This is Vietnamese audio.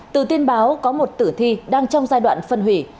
từ tin báo có một tử thi đang trong giai đoạn phân hủy